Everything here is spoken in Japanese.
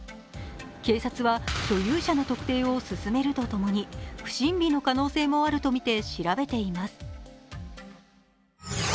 警察は所有者の特定を進めるとともに不審火の可能性もあるとみて調べています。